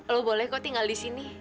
lo boleh kok tinggal di sini